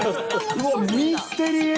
うわっ、ミステリー。